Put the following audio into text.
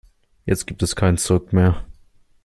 Jetzt gibt es kein Zurück mehr.